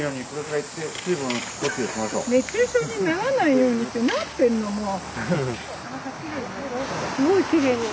熱中症にならないようにってなってるのもう。